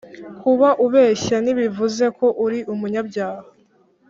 Kuba ubeshya ntibivuze ko uri umunyabyaha